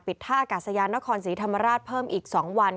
ท่าอากาศยานนครศรีธรรมราชเพิ่มอีก๒วัน